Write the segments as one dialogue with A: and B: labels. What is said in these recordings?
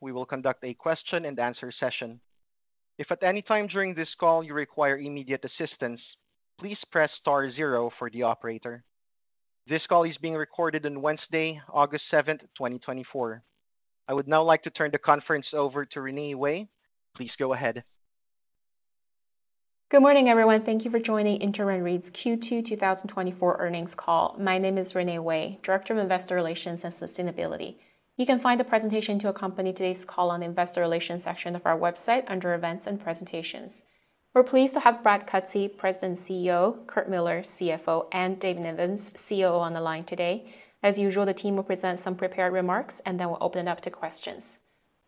A: We will conduct a question and answer session. If at any time during this call you require immediate assistance, please press star zero for the operator. This call is being recorded on Wednesday, August 7, 2024. I would now like to turn the conference over to Renee Wei. Please go ahead.
B: Good morning, everyone. Thank you for joining InterRent REIT's Q2 2024 earnings call. My name is Renee Wei, Director of Investor Relations and Sustainability. You can find the presentation to accompany today's call on the Investor Relations section of our website under Events and Presentations. We're pleased to have Brad Cutsey, President and CEO, Curt Millar, CFO, and Dave Nevins, COO, on the line today. As usual, the team will present some prepared remarks, and then we'll open it up to questions.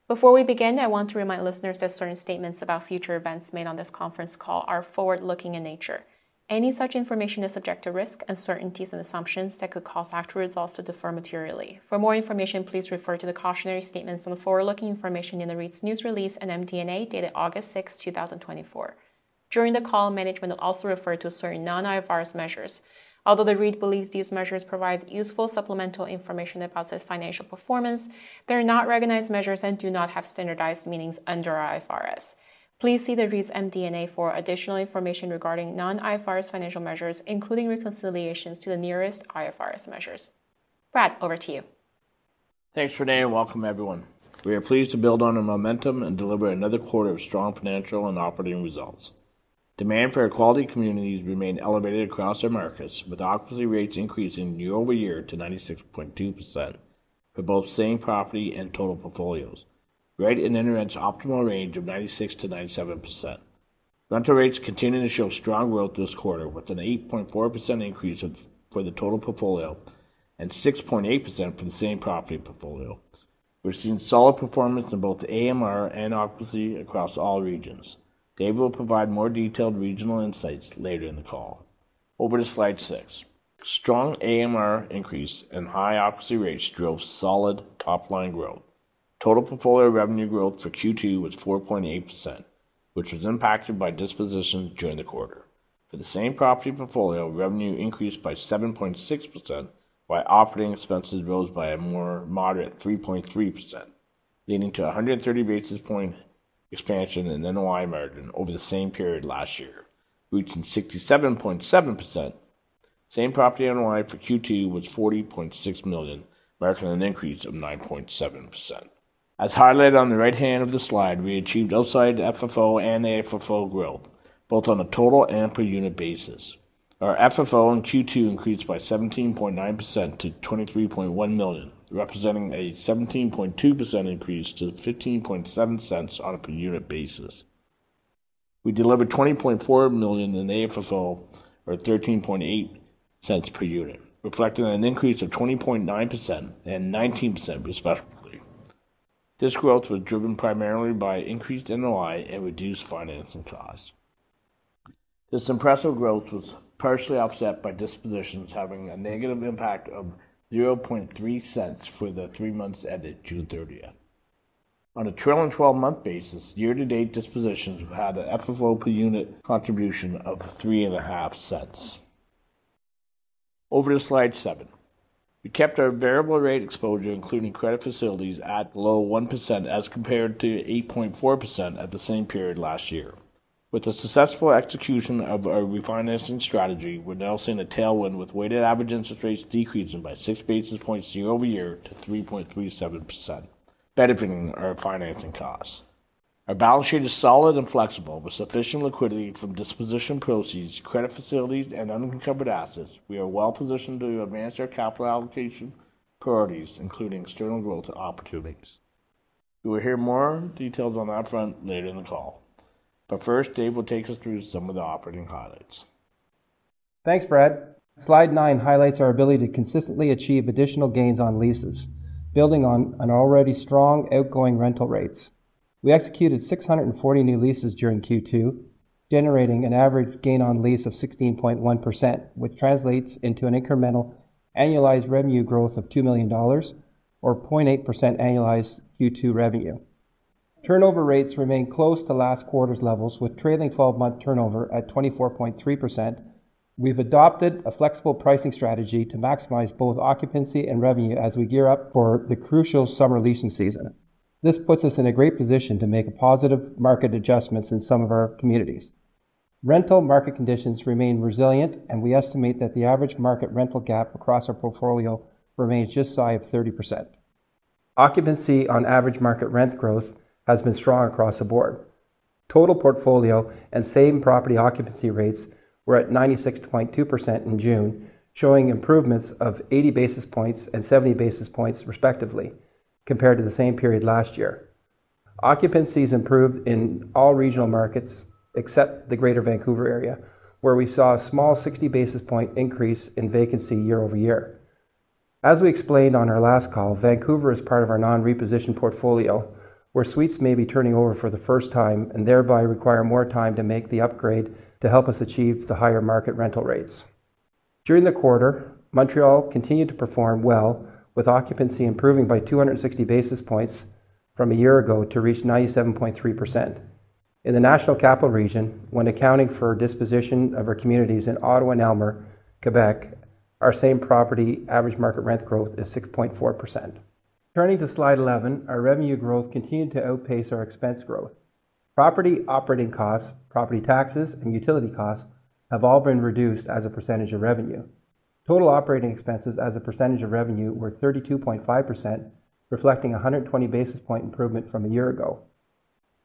B: Before we begin, I want to remind listeners that certain statements about future events made on this conference call are forward-looking in nature. Any such information is subject to risk, uncertainties, and assumptions that could cause actual results to differ materially. For more information, please refer to the cautionary statements on the forward-looking information in the REIT's news release and MD&A, dated August 6, 2024. During the call, management will also refer to certain non-IFRS measures. Although the REIT believes these measures provide useful supplemental information about its financial performance, they are not recognized measures and do not have standardized meanings under IFRS. Please see the REIT's MD&A for additional information regarding non-IFRS financial measures, including reconciliations to the nearest IFRS measures. Brad, over to you.
C: Thanks, Renee, and welcome everyone. We are pleased to build on our momentum and deliver another quarter of strong financial and operating results. Demand for our quality communities remained elevated across our markets, with occupancy rates increasing year-over-year to 96.2% for both same property and total portfolios, right in InterRent's optimal range of 96%-97%. Rental rates continued to show strong growth this quarter, with an 8.4% increase of, for the total portfolio and 6.8% for the same property portfolio. We've seen solid performance in both AMR and occupancy across all regions. Dave will provide more detailed regional insights later in the call. Over to slide 6. Strong AMR increase and high occupancy rates drove solid top-line growth. Total portfolio revenue growth for Q2 was 4.8%, which was impacted by dispositions during the quarter. For the same property portfolio, revenue increased by 7.6%, while operating expenses rose by a more moderate 3.3%, leading to a 130 basis point expansion in NOI margin over the same period last year, reaching 67.7%. Same property NOI for Q2 was 40.6 million, marking an increase of 9.7%. As highlighted on the right hand of the slide, we achieved outsize FFO and AFFO growth, both on a total and per unit basis. Our FFO in Q2 increased by 17.9% to 23.1 million, representing a 17.2% increase to 0.157 on a per unit basis. We delivered 20.4 million in AFFO or 0.138 per unit, reflecting an increase of 20.9% and 19%, respectively. This growth was driven primarily by increased NOI and reduced financing costs. This impressive growth was partially offset by dispositions having a negative impact of 0.003 for the three months ended June 30th. On a trailing 12-month basis, year-to-date dispositions have had an FFO per unit contribution of 0.035. Over to slide 7. We kept our variable rate exposure, including credit facilities at below 1%, as compared to 8.4% at the same period last year. With the successful execution of our refinancing strategy, we're now seeing a tailwind with weighted average interest rates decreasing by 6 basis points year-over-year to 3.37%, benefiting our financing costs. Our balance sheet is solid and flexible, with sufficient liquidity from disposition proceeds, credit facilities, and unencumbered assets. We are well positioned to advance our capital allocation priorities, including external growth opportunities. You will hear more details on that front later in the call. But first, Dave will take us through some of the operating highlights.
D: Thanks, Brad. Slide 9 highlights our ability to consistently achieve additional gains on leases, building on an already strong outgoing rental rates. We executed 640 new leases during Q2, generating an average gain on lease of 16.1%, which translates into an incremental annualized revenue growth of 2 million dollars or 0.8% annualized Q2 revenue. Turnover rates remain close to last quarter's levels, with trailing twelve-month turnover at 24.3%. We've adopted a flexible pricing strategy to maximize both occupancy and revenue as we gear up for the crucial summer leasing season. This puts us in a great position to make positive market adjustments in some of our communities. Rental market conditions remain resilient, and we estimate that the average market rental gap across our portfolio remains just shy of 30%. Occupancy on average market rent growth has been strong across the board. Total portfolio and same property occupancy rates were at 96.2% in June, showing improvements of 80 basis points and 70 basis points, respectively, compared to the same period last year. Occupancies improved in all regional markets except the Greater Vancouver Area, where we saw a small 60 basis points increase in vacancy year-over-year. As we explained on our last call, Vancouver is part of our non-reposition portfolio, where suites may be turning over for the first time and thereby require more time to make the upgrade to help us achieve the higher market rental rates. During the quarter, Montreal continued to perform well, with occupancy improving by 260 basis points from a year ago to reach 97.3%.... In the National Capital Region, when accounting for disposition of our communities in Ottawa and Aylmer, Quebec, our same property average market rent growth is 6.4%. Turning to slide 11, our revenue growth continued to outpace our expense growth. Property operating costs, property taxes, and utility costs have all been reduced as a percentage of revenue. Total operating expenses as a percentage of revenue were 32.5%, reflecting a 120 basis point improvement from a year ago.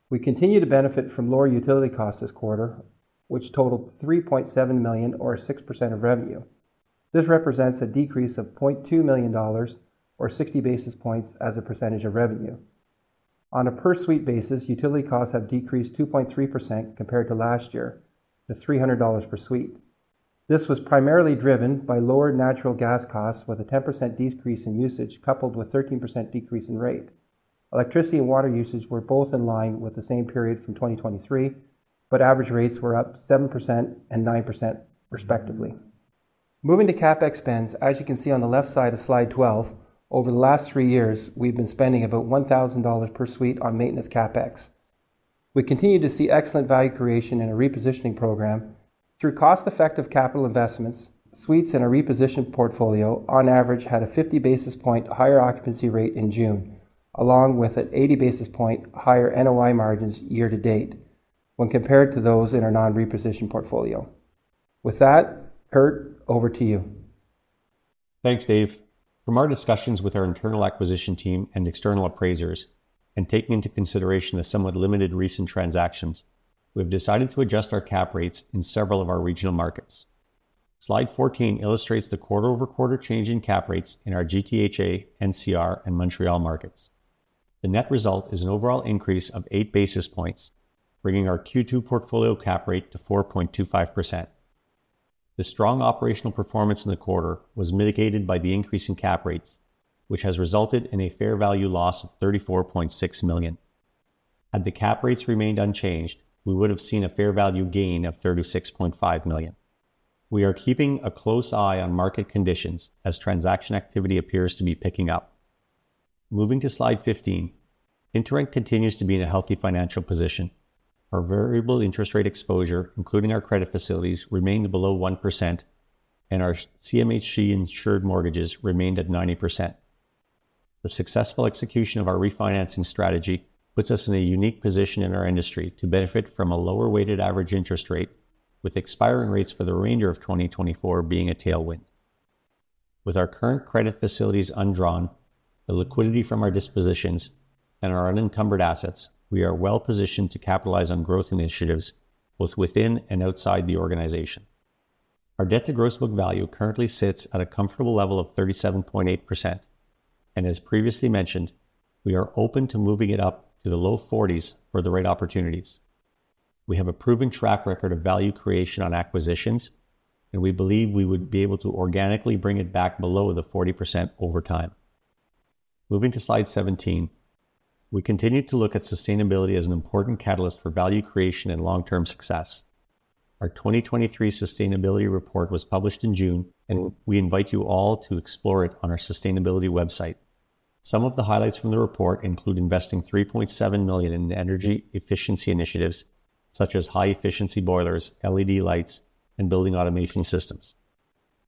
D: We continue to benefit from lower utility costs this quarter, which totaled 3.7 million, or 6% of revenue. This represents a decrease of 0.2 million dollars, or 60 basis points, as a percentage of revenue. On a per-suite basis, utility costs have decreased 2.3% compared to last year, to 300 dollars per suite. This was primarily driven by lower natural gas costs, with a 10% decrease in usage, coupled with 13% decrease in rate. Electricity and water usage were both in line with the same period from 2023, but average rates were up 7% and 9% respectively. Moving to CapEx spends, as you can see on the left side of slide 12, over the last three years, we've been spending about 1,000 dollars per suite on maintenance CapEx. We continue to see excellent value creation in a repositioning program. Through cost-effective capital investments, suites in a repositioned portfolio on average had a 50 basis point higher occupancy rate in June, along with an 80 basis point higher NOI margins year to date when compared to those in our non-repositioned portfolio. With that, Curt, over to you.
E: Thanks, Dave. From our discussions with our internal acquisition team and external appraisers, and taking into consideration the somewhat limited recent transactions, we've decided to adjust our cap rates in several of our regional markets. Slide 14 illustrates the quarter-over-quarter change in cap rates in our GTHA, NCR, and Montreal markets. The net result is an overall increase of 8 basis points, bringing our Q2 portfolio cap rate to 4.25%. The strong operational performance in the quarter was mitigated by the increase in cap rates, which has resulted in a fair value loss of 34.6 million. Had the cap rates remained unchanged, we would have seen a fair value gain of 36.5 million. We are keeping a close eye on market conditions as transaction activity appears to be picking up. Moving to slide 15, InterRent continues to be in a healthy financial position. Our variable interest rate exposure, including our credit facilities, remained below 1%, and our CMHC-insured mortgages remained at 90%. The successful execution of our refinancing strategy puts us in a unique position in our industry to benefit from a lower weighted average interest rate, with expiring rates for the remainder of 2024 being a tailwind. With our current credit facilities undrawn, the liquidity from our dispositions, and our unencumbered assets, we are well positioned to capitalize on growth initiatives both within and outside the organization. Our debt to gross book value currently sits at a comfortable level of 37.8%, and as previously mentioned, we are open to moving it up to the low 40s for the right opportunities. We have a proven track record of value creation on acquisitions, and we believe we would be able to organically bring it back below the 40% over time. Moving to slide 17, we continue to look at sustainability as an important catalyst for value creation and long-term success. Our 2023 sustainability report was published in June, and we invite you all to explore it on our sustainability website. Some of the highlights from the report include investing 3.7 million in energy efficiency initiatives such as high-efficiency boilers, LED lights, and building automation systems.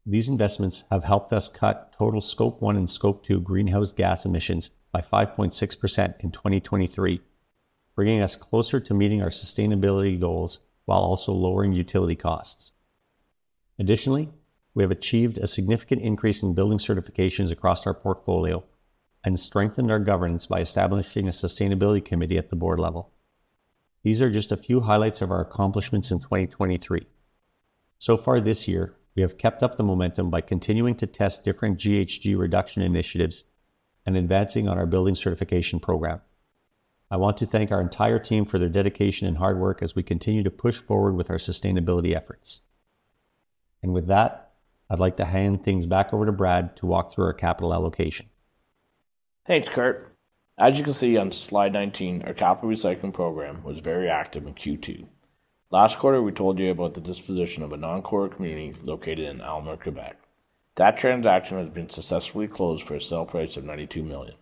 E: These investments have helped us cut total Scope 1 and Scope 2 greenhouse gas emissions by 5.6% in 2023, bringing us closer to meeting our sustainability goals while also lowering utility costs. Additionally, we have achieved a significant increase in building certifications across our portfolio and strengthened our governance by establishing a sustainability committee at the board level. These are just a few highlights of our accomplishments in 2023. So far this year, we have kept up the momentum by continuing to test different GHG reduction initiatives and advancing on our building certification program. I want to thank our entire team for their dedication and hard work as we continue to push forward with our sustainability efforts. With that, I'd like to hand things back over to Brad to walk through our capital allocation.
C: Thanks, Curt. As you can see on slide 19, our capital recycling program was very active in Q2. Last quarter, we told you about the disposition of a non-core community located in Aylmer, Quebec. That transaction has been successfully closed for a sale price of 92 million.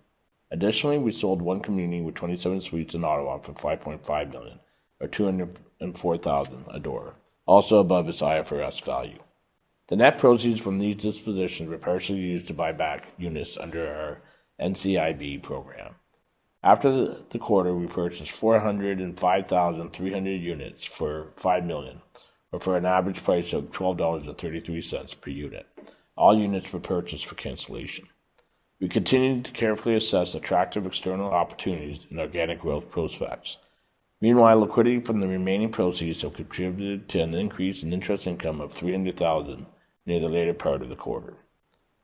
C: Additionally, we sold one community with 27 suites in Ottawa for 5.5 million, or 204,000 a door, also above its IFRS value. The net proceeds from these dispositions were partially used to buy back units under our NCIB program. After the quarter, we purchased 405,300 units for 5 million, or for an average price of 12.33 dollars per unit. All units were purchased for cancellation. We continued to carefully assess attractive external opportunities and organic growth prospects. Meanwhile, liquidity from the remaining proceeds have contributed to an increase in interest income of 300,000 near the later part of the quarter.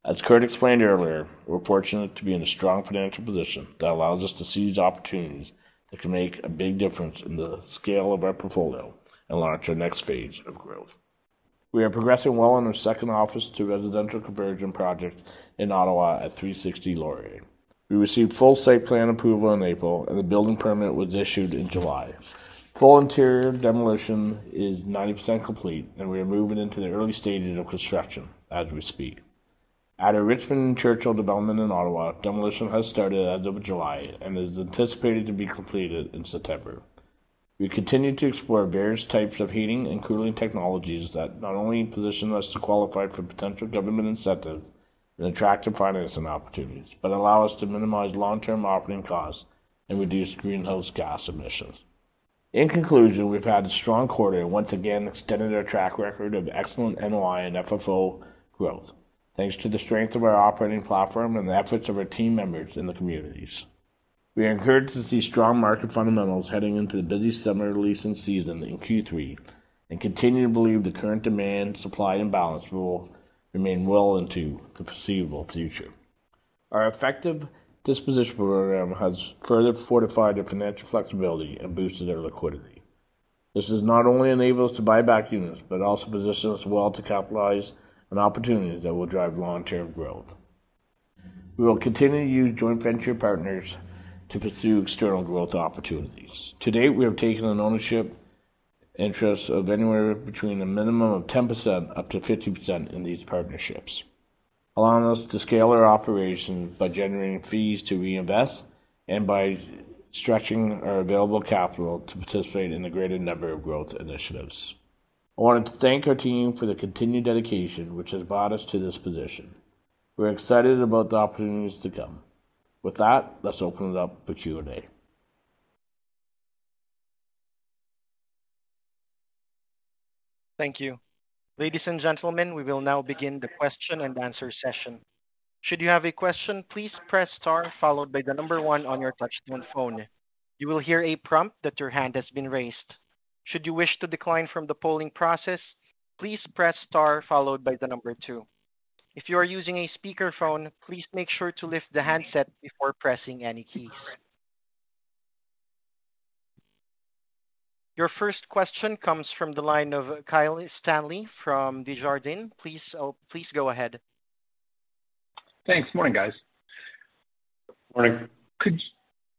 C: As Curt explained earlier, we're fortunate to be in a strong financial position that allows us to seize opportunities that can make a big difference in the scale of our portfolio and launch our next phase of growth. We are progressing well in our second office-to-residential conversion project in Ottawa at 360 Laurier. We received full site plan approval in April, and the building permit was issued in July. Full interior demolition is 90% complete, and we are moving into the early stages of construction as we speak. At our Richmond and Churchill development in Ottawa, demolition has started as of July and is anticipated to be completed in September. We continue to explore various types of heating and cooling technologies that not only position us to qualify for potential government incentives and attractive financing opportunities, but allow us to minimize long-term operating costs and reduce greenhouse gas emissions. In conclusion, we've had a strong quarter, and once again, extended our track record of excellent NOI and FFO growth. Thanks to the strength of our operating platform and the efforts of our team members in the communities. We are encouraged to see strong market fundamentals heading into the busy summer leasing season in Q3, and continue to believe the current demand, supply, and balance will remain well into the foreseeable future. Our effective disposition program has further fortified our financial flexibility and boosted our liquidity. This has not only enabled us to buy back units, but also positions us well to capitalize on opportunities that will drive long-term growth. We will continue to use joint venture partners to pursue external growth opportunities. To date, we have taken an ownership interest of anywhere between a minimum of 10% up to 50% in these partnerships, allowing us to scale our operation by generating fees to reinvest and by stretching our available capital to participate in a greater number of growth initiatives. I wanted to thank our team for their continued dedication, which has brought us to this position. We're excited about the opportunities to come. With that, let's open it up for Q&A.
A: Thank you. Ladies and gentlemen, we will now begin the question-and-answer session. Should you have a question, please press star followed by one on your touchtone phone. You will hear a prompt that your hand has been raised. Should you wish to decline from the polling process, please press star followed by two. If you are using a speakerphone, please make sure to lift the handset before pressing any keys. Your first question comes from the line of Kyle Stanley from Desjardins. Please, please go ahead.
F: Thanks. Morning, guys.
C: Morning.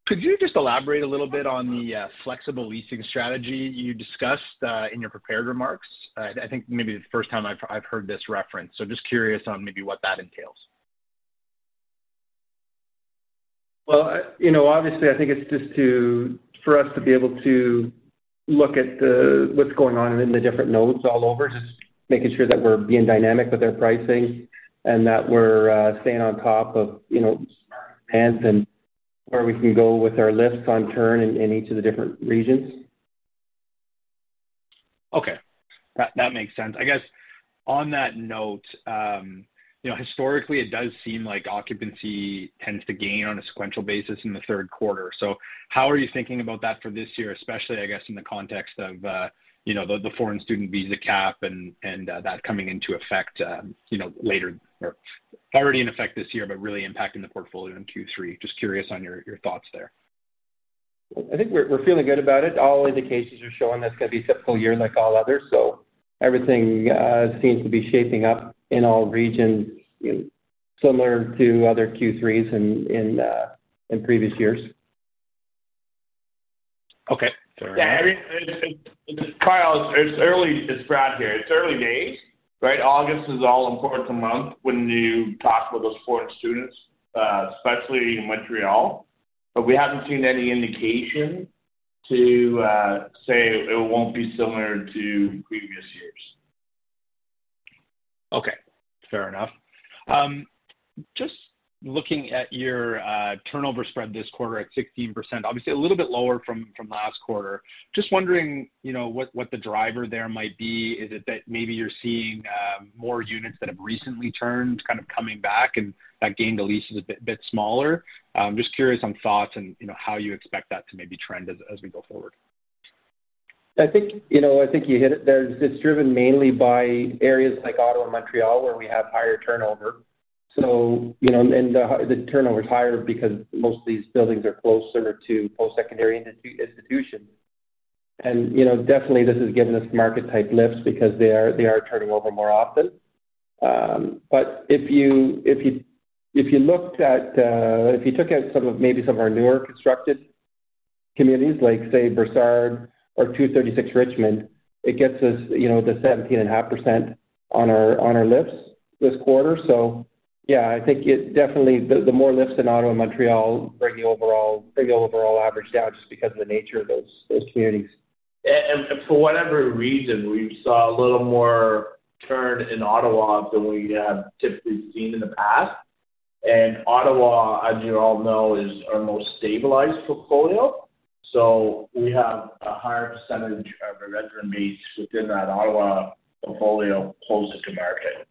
F: Could you just elaborate a little bit on the flexible leasing strategy you discussed in your prepared remarks? I think maybe the first time I've heard this referenced, so just curious on maybe what that entails.
D: Well, you know, obviously, I think it's just to, for us to be able to look at the, what's going on in the different nodes all over. Just making sure that we're being dynamic with our pricing and that we're staying on top of, you know, rents and where we can go with our lifts on turn in, in each of the different regions.
F: Okay. That makes sense. I guess, on that note, you know, historically, it does seem like occupancy tends to gain on a sequential basis in the third quarter. So how are you thinking about that for this year, especially, I guess, in the context of, you know, the foreign student visa cap and that coming into effect, you know, later or already in effect this year, but really impacting the portfolio in Q3? Just curious on your thoughts there.
D: I think we're feeling good about it. All indications are showing that's going to be a typical year like all others, so everything seems to be shaping up in all regions, similar to other Q3s in previous years.
F: Okay. Fair enough.
C: Yeah, I mean, Kyle, it's early. It's Brad here. It's early days, right? August is all-important month when you talk with those foreign students, especially in Montreal, but we haven't seen any indication to say it won't be similar to previous years.
F: Okay, fair enough. Just looking at your turnover spread this quarter at 16%, obviously a little bit lower from last quarter. Just wondering, you know, what the driver there might be. Is it that maybe you're seeing more units that have recently turned, kind of, coming back and that gain to lease is a bit smaller? Just curious on thoughts and, you know, how you expect that to maybe trend as we go forward.
D: I think, you know, I think you hit it there. It's driven mainly by areas like Ottawa and Montreal, where we have higher turnover. So, you know, and the, the turnover is higher because most of these buildings are closer to post-secondary institutions. And, you know, definitely this is giving us market-type lifts because they are, they are turning over more often. But if you took out some of, maybe some of our newer constructed communities, like, say, Brossard or 236 Richmond, it gets us, you know, to 17.5% on our, on our lifts this quarter. So yeah, I think it definitely, the, the more lifts in Ottawa and Montreal bring the overall, bring the overall average down just because of the nature of those, those communities.
C: For whatever reason, we saw a little more turn in Ottawa than we have typically seen in the past. Ottawa, as you all know, is our most stabilized portfolio. We have a higher percentage of our resident base within that Ottawa portfolio closed to market.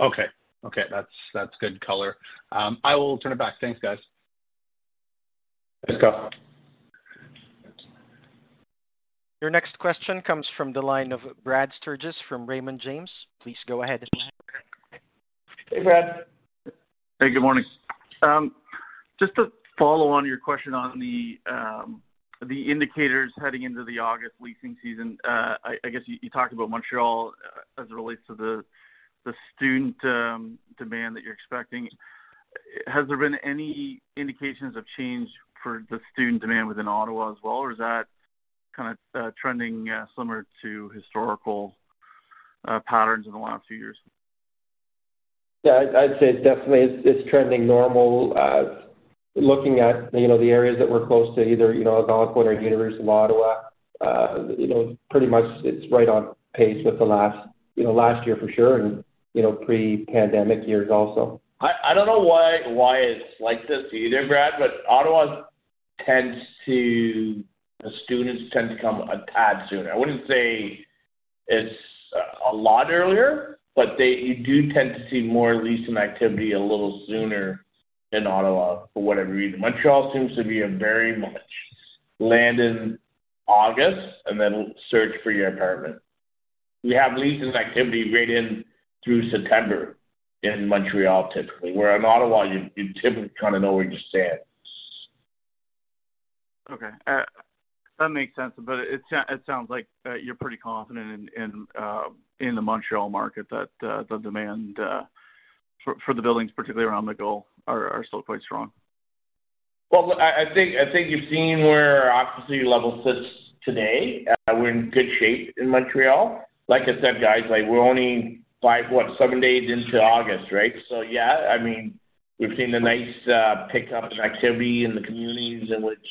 F: Okay. Okay, that's, that's good color. I will turn it back. Thanks, guys.
C: Thanks, Kyle.
A: Your next question comes from the line of Brad Sturges from Raymond James. Please go ahead.
C: Hey, Brad.
G: Hey, good morning. Just to follow on your question on the indicators heading into the August leasing season. I guess you talked about Montreal as it relates to the student demand that you're expecting. Has there been any indications of change for the student demand within Ottawa as well, or is that kind of trending similar to historical patterns in the last few years?
D: Yeah, I'd say definitely it's trending normal. Looking at, you know, the areas that we're close to, either, you know, Algonquin or University of Ottawa, you know, pretty much it's right on pace with the last, you know, last year for sure, and, you know, pre-pandemic years also.
C: I don't know why it's like this either, Brad, but Ottawa tends to, the students tend to come a tad sooner. I wouldn't say it's a lot earlier, but they, you do tend to see more leasing activity a little sooner in Ottawa for whatever reason. Montreal seems to be a very much land in August, and then search for your apartment. We have leasing activity right in through September in Montreal, typically, where in Ottawa, you typically kind of know where you stand.
G: Okay. That makes sense, but it sounds like you're pretty confident in the Montreal market, that the demand for the buildings, particularly around McGill, are still quite strong.
C: Well, I think you've seen where our occupancy level sits today. We're in good shape in Montreal. Like I said, guys, like, we're only five, what, seven days into August, right? So yeah, I mean, we've seen a nice pick up in activity in the communities in which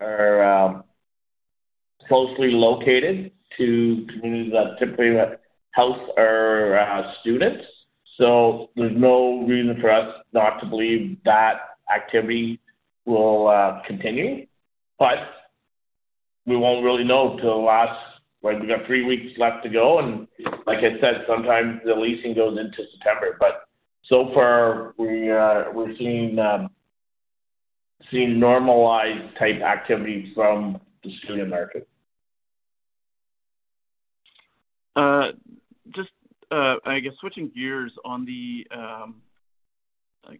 C: are closely located to communities that typically house our students. So there's no reason for us not to believe that activity will continue. But we won't really know until the last... like, we've got three weeks left to go, and like I said, sometimes the leasing goes into September. But so far, we're seeing normalized type activity from the student market.
G: Just, I guess switching gears on the,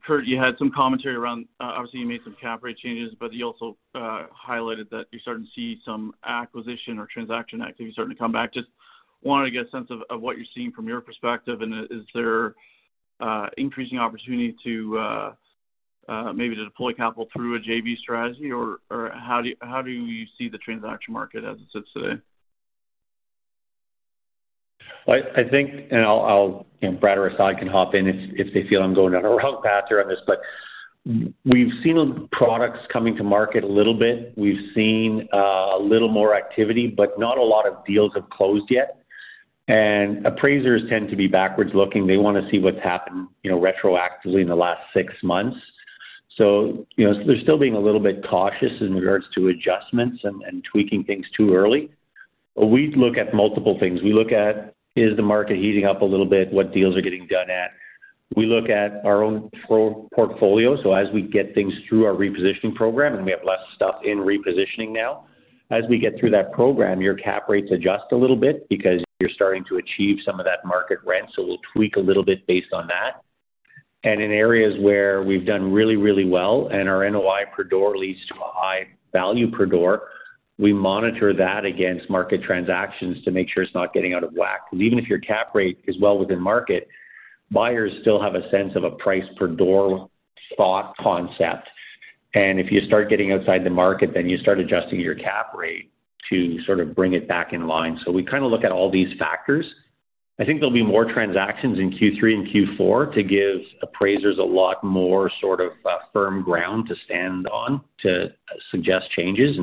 G: Curt, you had some commentary around, obviously, you made some cap rate changes, but you also, highlighted that you're starting to see some acquisition or transaction activity starting to come back. Just wanted to get a sense of, of what you're seeing from your perspective, and, is there, increasing opportunity to, maybe to deploy capital through a JV strategy, or, or how do you, how do you see the transaction market as it sits today?
E: I think, and I'll, and Brad or Asad can hop in if they feel I'm going down the wrong path here on this, but we've seen products coming to market a little bit. We've seen a little more activity, but not a lot of deals have closed yet. And appraisers tend to be backwards looking. They want to see what's happened, you know, retroactively in the last six months. So, you know, they're still being a little bit cautious in regards to adjustments and tweaking things too early. But we look at multiple things. We look at, is the market heating up a little bit? What deals are getting done at? We look at our own portfolio, so as we get things through our repositioning program, and we have less stuff in repositioning now. As we get through that program, your cap rates adjust a little bit because you're starting to achieve some of that market rent, so we'll tweak a little bit based on that. And in areas where we've done really, really well and our NOI per door leads to a high value per door, we monitor that against market transactions to make sure it's not getting out of whack. Because even if your cap rate is well within market, buyers still have a sense of a price per door thought concept. And if you start getting outside the market, then you start adjusting your cap rate to sort of bring it back in line. So we kind of look at all these factors. I think there'll be more transactions in Q3 and Q4 to give appraisers a lot more sort of, firm ground to stand on, to suggest changes.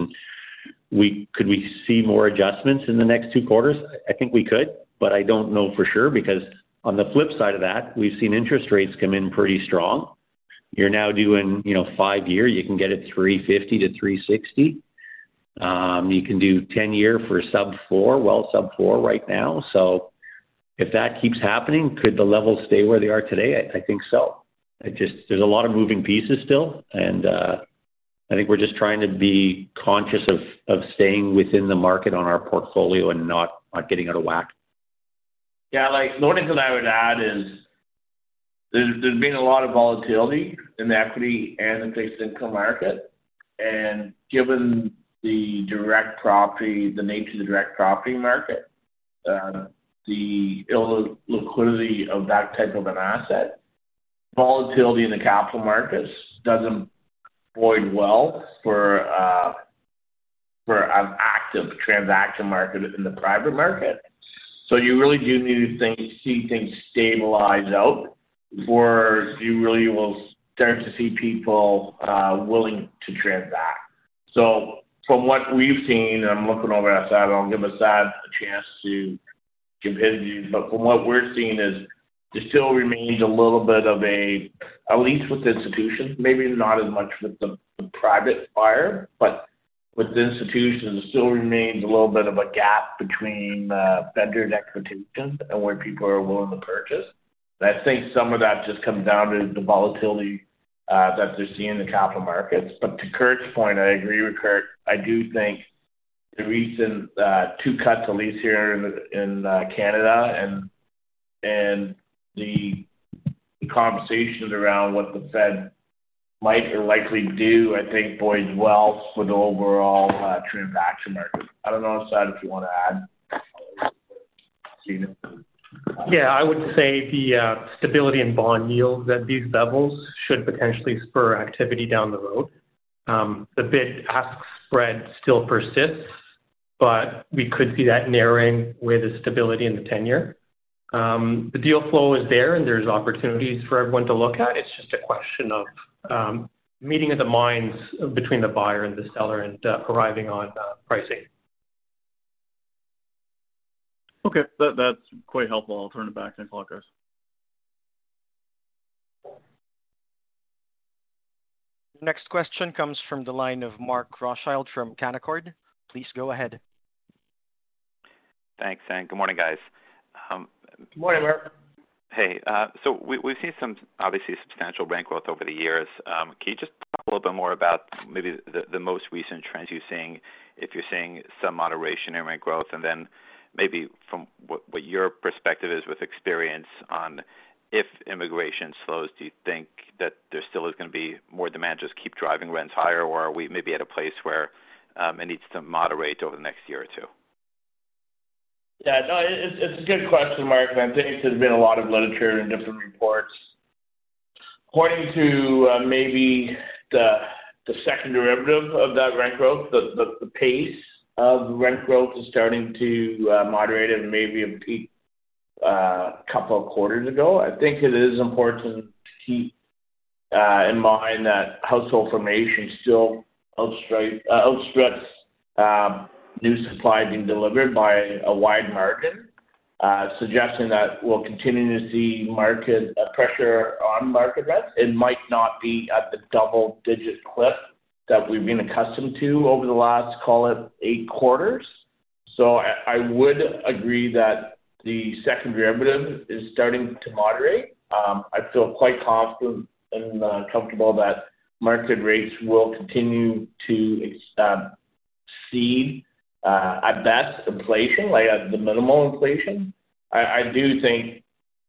E: Could we see more adjustments in the next two quarters? I think we could, but I don't know for sure, because on the flip side of that, we've seen interest rates come in pretty strong. You're now doing, you know, 5-year, you can get it 3.50%-3.60%. You can do 10-year for sub-4%, well sub-4% right now. So if that keeps happening, could the levels stay where they are today? I think so. I just... There's a lot of moving pieces still, and I think we're just trying to be conscious of staying within the market on our portfolio and not getting out of whack.
C: Yeah, like, the only thing I would add is there's been a lot of volatility in the equity and the fixed income market. And given the direct property, the nature of the direct property market, the illiquidity of that type of an asset, volatility in the capital markets doesn't bode well for an active transaction market in the private market. So you really do need things to see things stabilize out before you really will start to see people willing to transact. So from what we've seen, I'm looking over at Asad, I'll give Asad a chance to give his view. But from what we're seeing, it still remains a little bit of a, at least with institutions, maybe not as much with the private buyer, but with institutions, it still remains a little bit of a gap between vendor expectations and where people are willing to purchase. And I think some of that just comes down to the volatility that they're seeing in the capital markets. But to Curt's point, I agree with Curt. I do think the recent two cuts at least here in Canada and the conversations around what the Fed might or likely do, I think bodes well for the overall transaction market. I don't know, Asad, if you want to add?...
H: Yeah, I would say the stability in bond yields at these levels should potentially spur activity down the road. The bid-ask spread still persists, but we could see that narrowing with the stability in the 10-year. The deal flow is there, and there's opportunities for everyone to look at. It's just a question of meeting of the minds between the buyer and the seller and arriving on pricing.
G: Okay. That, that's quite helpful. I'll turn it back to the operators.
A: Next question comes from the line of Mark Rothschild from Canaccord. Please go ahead.
I: Thanks, and good morning, guys.
C: Good morning, Mark.
I: Hey, so we've seen some obviously substantial rent growth over the years. Can you just talk a little bit more about maybe the most recent trends you're seeing, if you're seeing some moderation in rent growth? And then maybe from what your perspective is with experience on if immigration slows, do you think that there still is gonna be more demand, just keep driving rents higher, or are we maybe at a place where it needs to moderate over the next year or two?
C: Yeah, no, it's a good question, Mark, and I think there's been a lot of literature and different reports. According to maybe the second derivative of that rent growth, the pace of rent growth is starting to moderate and maybe peak a couple of quarters ago. I think it is important to keep in mind that household formation still outstrips new supply being delivered by a wide margin, suggesting that we'll continue to see market pressure on market rents. It might not be at the double-digit clip that we've been accustomed to over the last, call it, eight quarters. So I would agree that the second derivative is starting to moderate. I feel quite confident and comfortable that market rates will continue to exceed at best inflation, like at the minimal inflation. I do think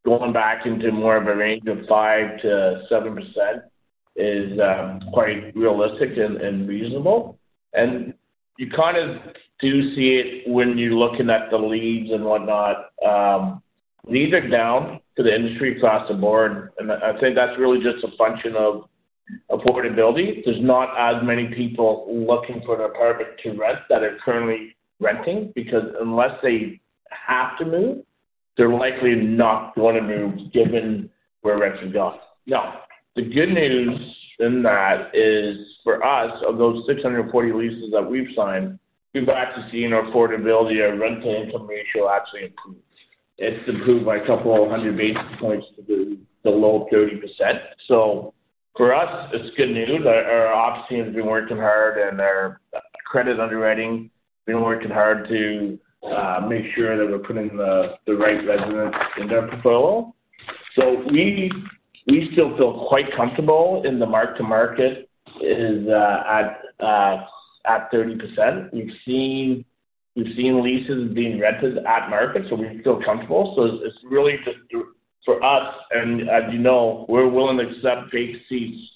C: going back into more of a range of 5%-7% is quite realistic and reasonable. And you kind of do see it when you're looking at the leads and whatnot. Leads are down for the industry across the board, and I think that's really just a function of affordability. There's not as many people looking for an apartment to rent that are currently renting, because unless they have to move, they're likely not going to move, given where rents have gone. Now, the good news in that is, for us, of those 640 leases that we've signed, we've actually seen affordability and rental income ratio actually improve. It's improved by a couple of hundred basis points to the low 30%. So for us, it's good news. Our ops team has been working hard, and our credit underwriting been working hard to make sure that we're putting the right residents in their portfolio. So we still feel quite comfortable in the mark-to-market is at 30%. We've seen leases being rented at market, so we feel comfortable. So it's really just for us, and as you know, we're willing to accept vacancy,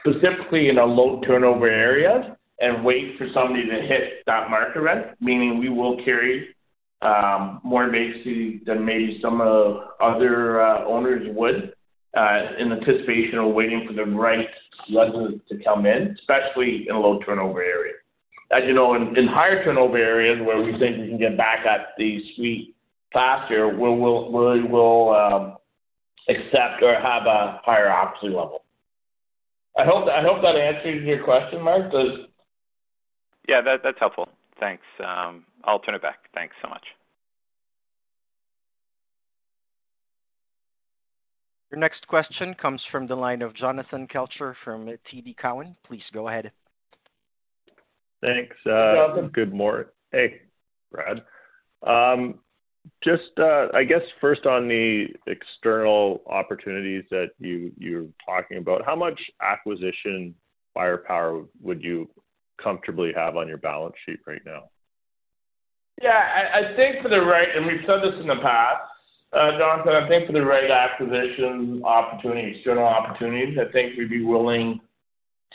C: specifically in a low-turnover area, and wait for somebody to hit that market rent, meaning we will carry more vacancy than maybe some of other owners would in anticipation of waiting for the right resident to come in, especially in a low-turnover area. As you know, in higher-turnover areas, where we think we can get back at the suite faster, we will accept or have a higher occupancy level. I hope that answers your question, Mark? Does-
I: Yeah, that, that's helpful. Thanks. I'll turn it back. Thanks so much.
A: Your next question comes from the line of Jonathan Kelcher from TD Cowen. Please go ahead.
J: Thanks, uh-
C: You're welcome.
J: Hey, Brad. Just, I guess first on the external opportunities that you, you're talking about, how much acquisition firepower would you comfortably have on your balance sheet right now?
C: Yeah, I think. And we've said this in the past, Jonathan. I think for the right acquisition opportunity, external opportunities, I think we'd be willing to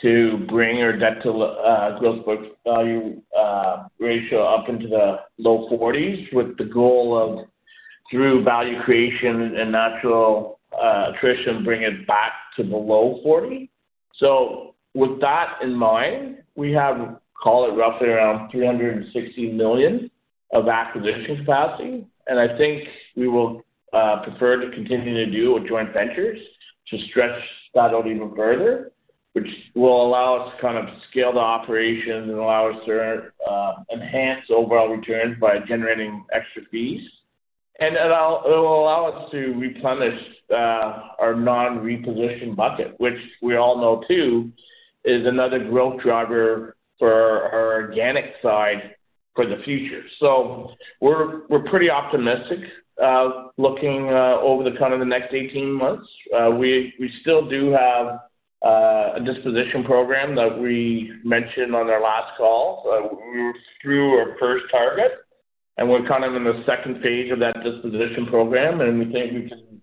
C: bring our debt-to-gross book value ratio up into the low 40s, with the goal of, through value creation and natural attrition, bring it back to the low 40. So with that in mind, we have, call it, roughly around 360 million of acquisition capacity, and I think we will prefer to continue to do with joint ventures to stretch that out even further, which will allow us to kind of scale the operation and allow us to enhance overall returns by generating extra fees. It'll allow us to replenish our non-reposition bucket, which we all know, too, is another growth driver for our organic side for the future. So we're pretty optimistic looking over the kind of the next 18 months. We still do have a disposition program that we mentioned on our last call. We're through our first target, and we're kind of in the second phase of that disposition program, and we think we can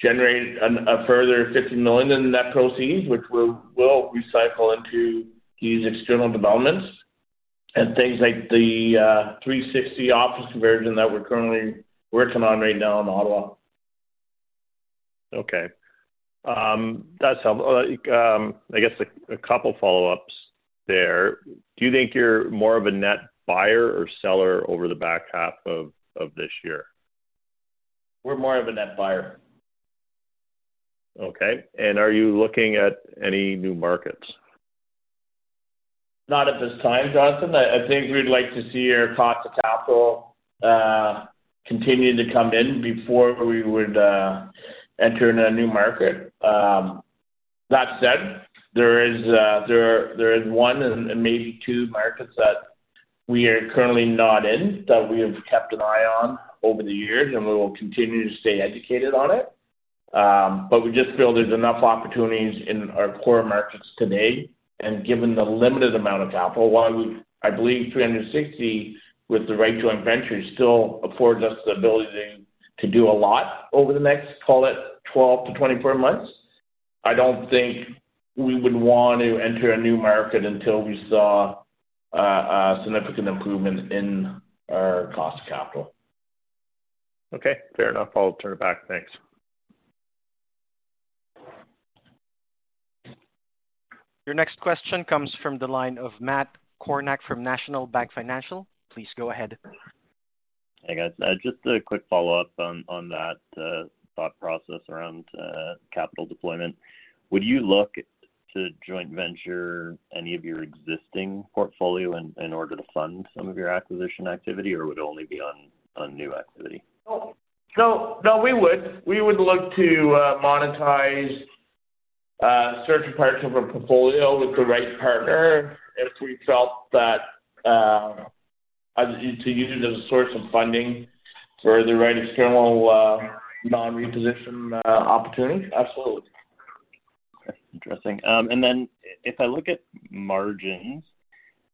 C: generate a further 50 million in net proceeds, which we'll recycle into these external developments and things like the 360 office conversion that we're currently working on right now in Ottawa.
J: Okay. That's helpful. I guess, a couple follow-ups there. Do you think you're more of a net buyer or seller over the back half of this year?
C: We're more of a net buyer.
J: Okay. Are you looking at any new markets?
C: Not at this time, Justin. I think we'd like to see our cost of capital continue to come in before we would enter in a new market. That said, there is one and maybe two markets that we are currently not in, that we have kept an eye on over the years, and we will continue to stay educated on it. But we just feel there's enough opportunities in our core markets today, and given the limited amount of capital, while I believe 360, with the right joint venture, still affords us the ability to do a lot over the next, call it 12-24 months. I don't think we would want to enter a new market until we saw a significant improvement in our cost of capital.
J: Okay, fair enough. I'll turn it back. Thanks.
A: Your next question comes from the line of Matt Kornack from National Bank Financial. Please go ahead.
K: Hey, guys. Just a quick follow-up on that thought process around capital deployment. Would you look to joint venture any of your existing portfolio in order to fund some of your acquisition activity, or would it only be on new activity?
C: Oh, so no, we would. We would look to monetize certain parts of our portfolio with the right partner if we felt that to use it as a source of funding for the right external non-reposition opportunity. Absolutely.
K: Okay, interesting. And then if I look at margins,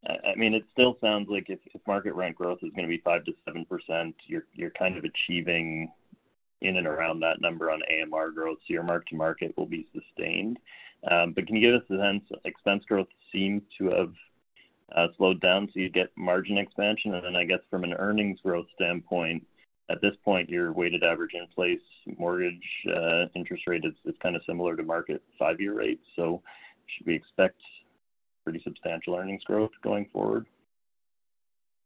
K: I mean, it still sounds like if market rent growth is gonna be 5%-7%, you're kind of achieving in and around that number on AMR growth, so your mark-to-market will be sustained. But can you give us a sense, expense growth seems to have slowed down, so you get margin expansion. And then I guess from an earnings growth standpoint, at this point, your weighted average in place mortgage interest rate is kind of similar to market five-year rates. So should we expect pretty substantial earnings growth going forward?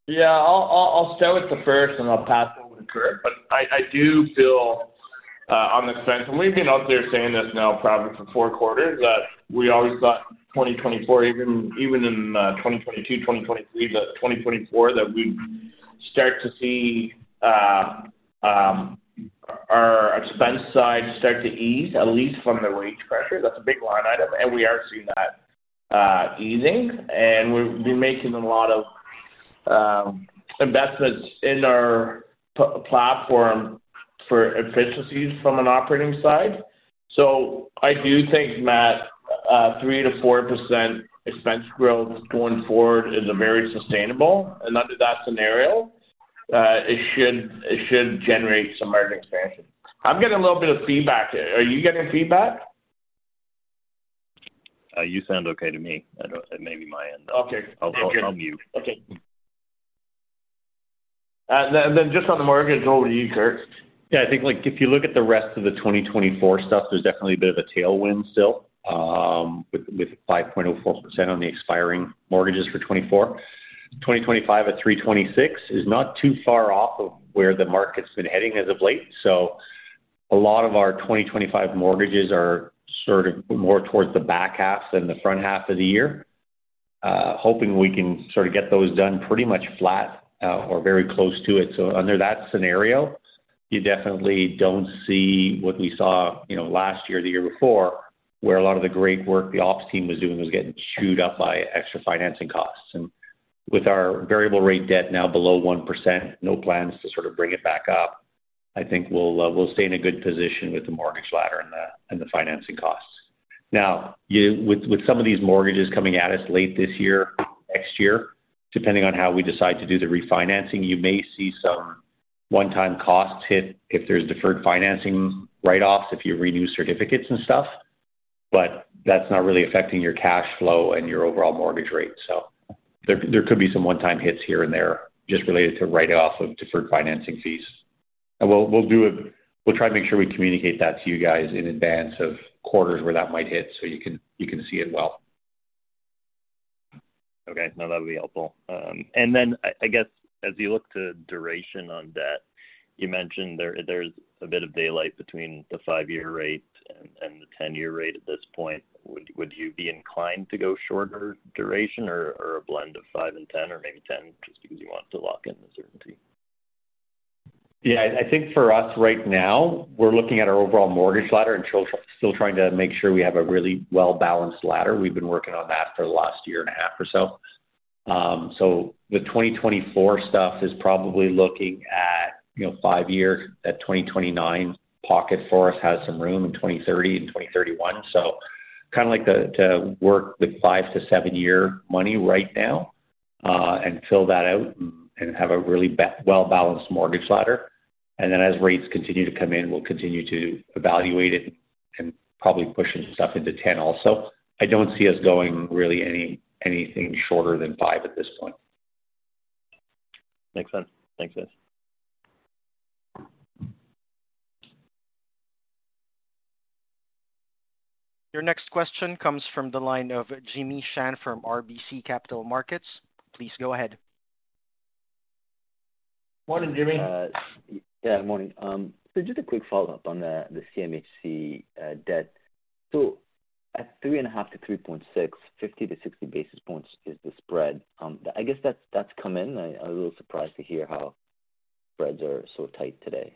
C: Yeah, I'll start with the first and I'll pass over to Curt. But I do feel on expense, and we've been out there saying this now probably for four quarters, that we always thought 2024, even in 2022, 2023, that 2024, that we'd start to see our expense side start to ease, at least from the wage pressure. That's a big line item, and we are seeing that easing. And we've been making a lot of investments in our platform for efficiencies from an operating side. So I do think, Matt, 3%-4% expense growth going forward is very sustainable. And under that scenario, it should generate some margin expansion. I'm getting a little bit of feedback here. Are you getting feedback?
K: You sound okay to me. It may be my end, though.
C: Okay.
K: I'll mute.
C: Okay. Then just on the margins, over to you, Curt.
E: Yeah, I think, like, if you look at the rest of the 2024 stuff, there's definitely a bit of a tailwind still, with, with 5.04% on the expiring mortgages for 2024. 2025 at 3.26% is not too far off of where the market's been heading as of late. So a lot of our 2025 mortgages are sort of more towards the back half than the front half of the year. Hoping we can sort of get those done pretty much flat, or very close to it. So under that scenario, you definitely don't see what we saw, you know, last year or the year before, where a lot of the great work the ops team was doing was getting chewed up by extra financing costs. With our variable rate debt now below 1%, no plans to sort of bring it back up, I think we'll, we'll stay in a good position with the mortgage ladder and the, and the financing costs. Now, you, with some of these mortgages coming at us late this year, next year, depending on how we decide to do the refinancing, you may see some one-time costs hit if there's deferred financing write-offs, if you renew certificates and stuff, but that's not really affecting your cash flow and your overall mortgage rate. So there, there could be some one-time hits here and there just related to write-off of deferred financing fees. We'll, we'll try to make sure we communicate that to you guys in advance of quarters where that might hit, so you can, you can see it well.
K: Okay. No, that would be helpful. And then I guess, as you look to duration on debt, you mentioned there, there's a bit of daylight between the 5-year rate and the 10-year rate at this point. Would you be inclined to go shorter duration or a blend of five and 10, or maybe 10, just because you want to lock in the certainty?
E: Yeah, I think for us right now, we're looking at our overall mortgage ladder and still trying to make sure we have a really well-balanced ladder. We've been working on that for the last year and a half or so. So the 2024 stuff is probably looking at, you know, five years. That 2029 bucket has some room in 2030 and 2031. So kind of like to work with 5- to 7-year money right now, and fill that out and have a really well-balanced mortgage ladder. And then as rates continue to come in, we'll continue to evaluate it and probably pushing stuff into 10 also. I don't see us going really anything shorter than five at this point.
K: Makes sense. Thanks, guys.
A: Your next question comes from the line of Jimmy Shan from RBC Capital Markets. Please go ahead.
C: Morning, Jimmy.
L: Yeah, morning. So just a quick follow-up on the, the CMHC debt. So at 3.5-3.6, 50-60 basis points is the spread. I guess that's, that's come in. I was a little surprised to hear how spreads are so tight today.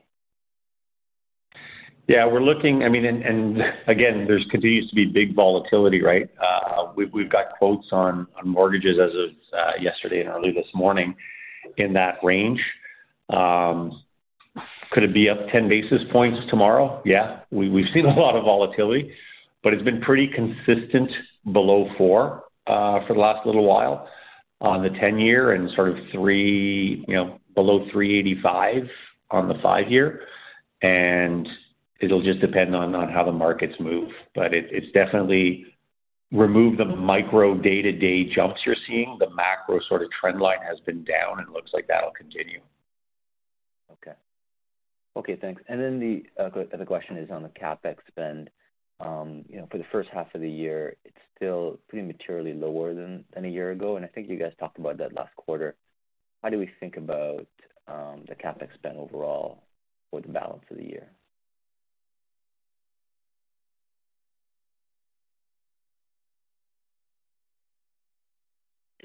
E: Yeah, we're looking—I mean, and again, there continues to be big volatility, right? We've got quotes on mortgages as of yesterday and early this morning in that range. Could it be up 10 basis points tomorrow? Yeah. We've seen a lot of volatility, but it's been pretty consistent below four for the last little while on the 10-year and sort of three, you know, below 3.85 on the 5-year. And it'll just depend on how the markets move. But it's definitely removed the micro day-to-day jumps you're seeing. The macro sort of trend line has been down, and it looks like that'll continue.
L: Okay. Okay, thanks. And then the other question is on the CapEx spend. You know, for the first half of the year, it's still pretty materially lower than a year ago, and I think you guys talked about that last quarter. How do we think about the CapEx spend overall for the balance of the year?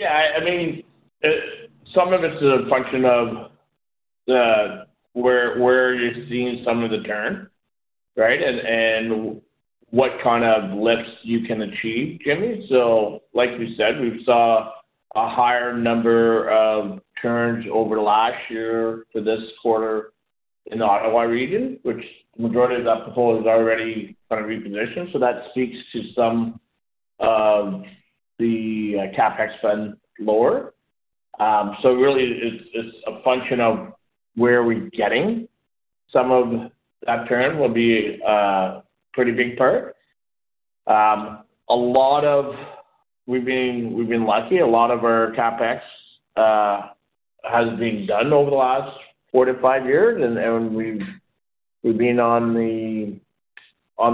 C: Yeah, I mean, some of it's a function of where you're seeing some of the turn, right? And what kind of lifts you can achieve, Jimmy. So like we said, we've saw a higher number of turns over last year to this quarter in the Ottawa region, which the majority of that portfolio is already kind of repositioned. So that speaks to some of the CapEx spend lower. So really, it's a function of where we're getting some of that turn will be a pretty big part. We've been lucky. A lot of our CapEx has been done over the last 4-5 years, and we've been on the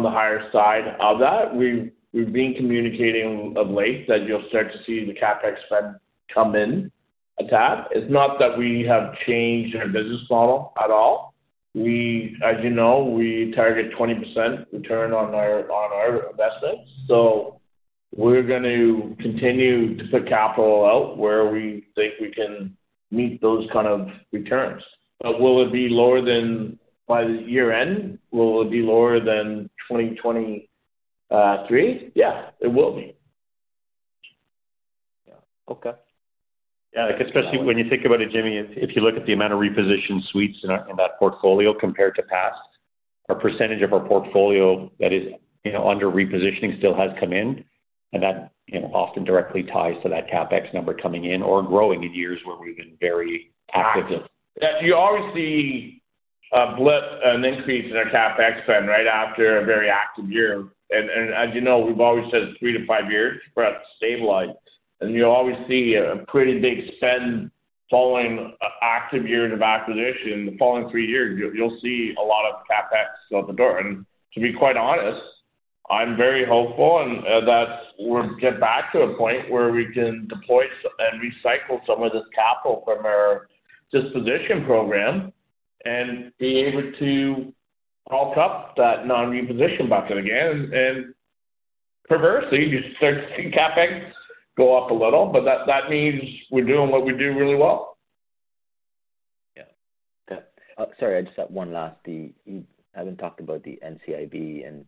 C: higher side of that. We've been communicating of late that you'll start to see the CapEx spend come in a tap. It's not that we have changed our business model at all. We. As you know, we target 20% return on our investments, so we're going to continue to put capital out where we think we can meet those kind of returns. But will it be lower than, by the year end, will it be lower than 2023? Yeah, it will be.
L: Yeah. Okay.
E: Yeah, like, especially when you think about it, Jimmy, if you look at the amount of repositioned suites in our in that portfolio compared to past, our percentage of our portfolio that is, you know, under repositioning still has come in, and that, you know, often directly ties to that CapEx number coming in or growing in years where we've been very active.
C: Yeah, you always see a blip, an increase in our CapEx spend right after a very active year. And as you know, we've always said 3-5 years for us to stabilize. And you always see a pretty big spend following an active year of acquisition. The following 3 years, you'll see a lot of CapEx out the door. And to be quite honest, I'm very hopeful and that we'll get back to a point where we can deploy and recycle some of this capital from our disposition program and be able to bulk up that non-reposition bucket again. And perversely, you start to see CapEx go up a little, but that means we're doing what we do really well.
L: Yeah. Sorry, I just have one last. You haven't talked about the NCIB and,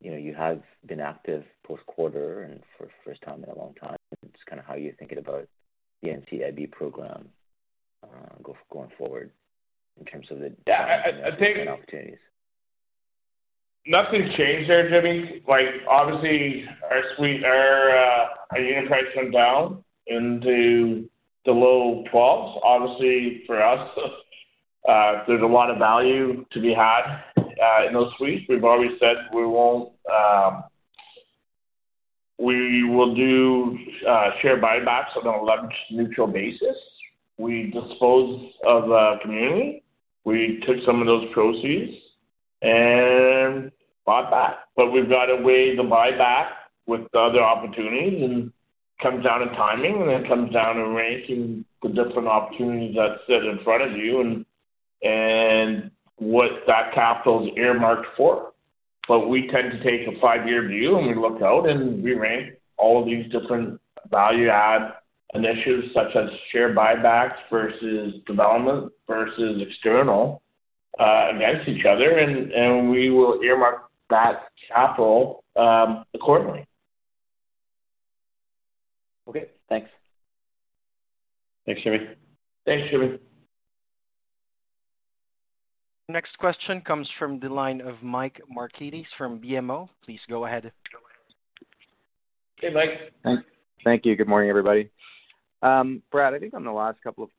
L: you know, you have been active post-quarter and for the first time in a long time. Just kind of how you're thinking about the NCIB program, going forward in terms of the opportunities?
C: Nothing's changed there, Jimmy. Like, obviously, our suite, our unit price went down into the low 12s. Obviously, for us, there's a lot of value to be had in those suites. We've always said we won't. We will do share buybacks on a leveraged neutral basis. We dispose of a community. We took some of those proceeds and bought back. But we've got a way to buy back with other opportunities and comes down to timing, and it comes down to ranking the different opportunities that sit in front of you and what that capital is earmarked for. But we tend to take a five-year view, and we look out and we rank all of these different value add initiatives, such as share buybacks versus development versus external against each other, and we will earmark that capital accordingly.
L: Okay, thanks.
E: Thanks, Jimmy.
C: Thanks, Jimmy.
A: Next question comes from the line of Mike Markidis from BMO. Please go ahead....
C: Hey, Mike.
M: Thank you. Good morning, everybody. Brad, I think on the last couple of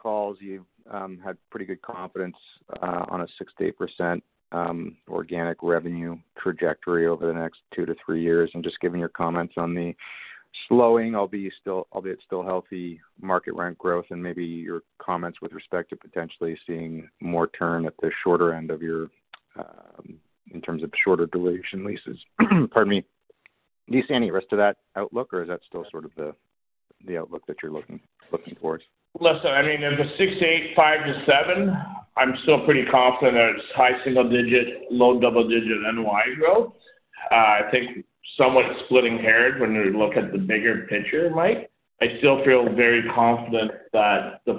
M: calls, you've had pretty good confidence on a 6%-8% organic revenue trajectory over the next 2-3 years. And just giving your comments on the slowing, albeit still healthy market rent growth, and maybe your comments with respect to potentially seeing more turn at the shorter end of your, in terms of shorter duration leases. Pardon me. Do you see any risk to that outlook, or is that still sort of the outlook that you're looking for?
C: Listen, I mean, in the 6-8, 5-7, I'm still pretty confident that it's high single-digit, low double-digit NOI growth. I think somewhat splitting hairs when you look at the bigger picture, Mike. I still feel very confident that the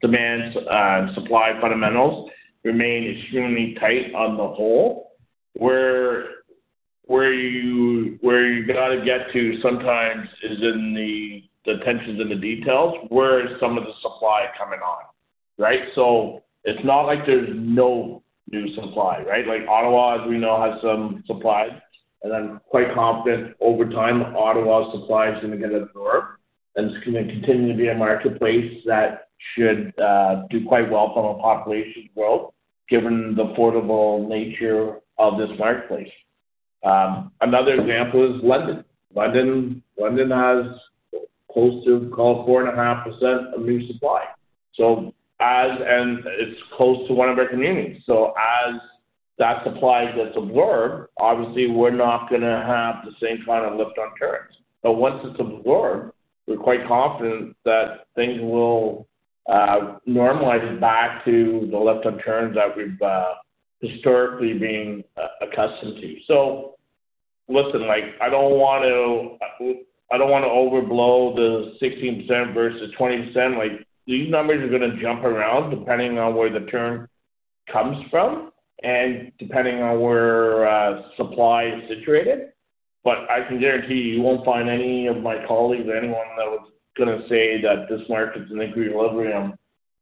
C: demand and supply fundamentals remain extremely tight on the whole. Where, where you, where you gotta get to sometimes is in the tensions in the details, where is some of the supply coming on, right? So it's not like there's no new supply, right? Like, Ottawa, as we know, has some supply, and I'm quite confident over time, Ottawa supply is gonna get absorbed, and it's gonna continue to be a marketplace that should do quite well from a population growth, given the affordable nature of this marketplace. Another example is London. London, London has close to call it, 4.5% of new supply. So as and it's close to one of our communities, so as that supply gets absorbed, obviously we're not gonna have the same kind of lift on turns. But once it's absorbed, we're quite confident that things will normalize back to the lift on turns that we've historically been accustomed to. So listen, like, I don't want to, I don't want to overblow the 16% versus 20%. Like, these numbers are gonna jump around depending on where the turn comes from and depending on where supply is situated. But I can guarantee you won't find any of my colleagues or anyone that was gonna say that this market's in equilibrium,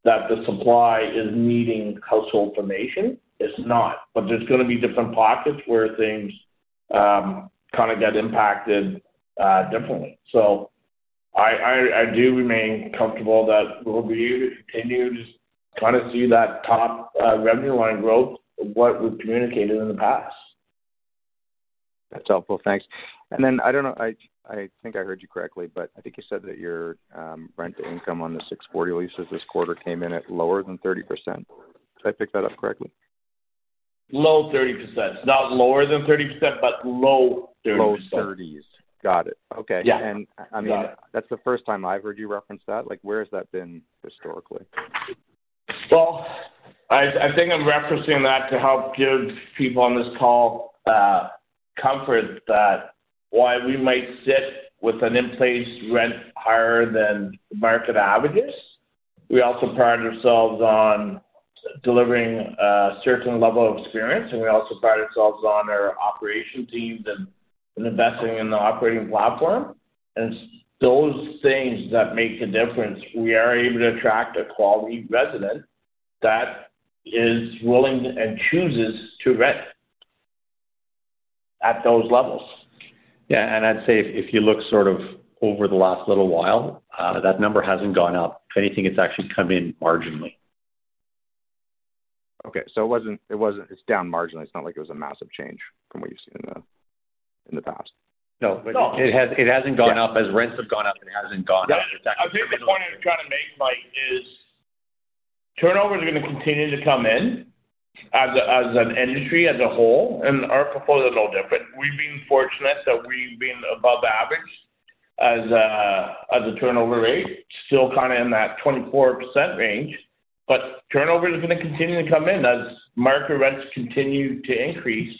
C: that the supply is meeting household formation. It's not, but there's gonna be different pockets where things kind of get impacted differently. So I do remain comfortable that we'll be able to continue to kind of see that top revenue line growth, what we've communicated in the past.
M: That's helpful. Thanks. And then I don't know, I think I heard you correctly, but I think you said that your rent to income on the 640 leases this quarter came in at lower than 30%. Did I pick that up correctly?
C: Low 30%. Not lower than 30%, but low 30%.
M: Low 30s. Got it. Okay.
C: Yeah.
M: I mean, that's the first time I've heard you reference that. Like, where has that been historically?
C: Well, I think I'm referencing that to help give people on this call, comfort that while we might sit with an in-place rent higher than market averages, we also pride ourselves on delivering, a certain level of experience, and we also pride ourselves on our operation teams and, investing in the operating platform. It's those things that make a difference. We are able to attract a quality resident that is willing and chooses to rent at those levels.
E: Yeah, and I'd say if you look sort of over the last little while, that number hasn't gone up. If anything, it's actually come in marginally.
M: Okay, so it wasn't. It's down marginally. It's not like it was a massive change from what you've seen in the past?
E: No, but-
C: No.
E: It has, it hasn't gone up. As rents have gone up, it hasn't gone up.
C: Yeah. I think the point I'm trying to make, Mike, is turnover is gonna continue to come in as an industry as a whole, and our portfolio is no different. We've been fortunate that we've been above average as a turnover rate, still kind of in that 24% range, but turnover is gonna continue to come in as market rents continue to increase.